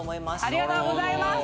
ありがとうございます！